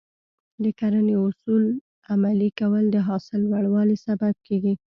د کرنې اصول عملي کول د حاصل لوړوالي سبب کېږي.